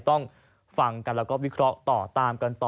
ต้องฟังกันแล้วก็วิเคราะห์ต่อตามกันต่อ